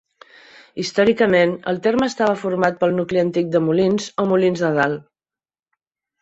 Històricament, el terme estava format pel nucli antic de Molins o Molins de Dalt.